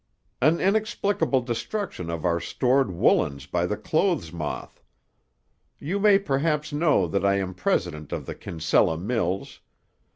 "An inexplicable destruction of our stored woolens by the clothes moth. You may perhaps know that I am president of the Kinsella Mills.